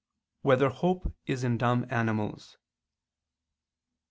3] Whether Hope Is in Dumb Animals?